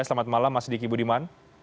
selamat malam mas diki budiman